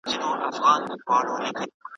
شلمې پیړۍ نوي فکرونه راوړل.